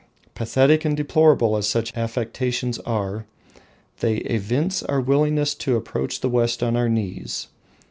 Pathetic and deplorable as such affectations are, they evince our willingness to approach the West on our knees.